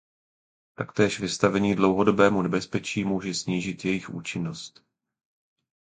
Taktéž vystavení dlouhodobému nebezpečí může snížit jejich účinnost.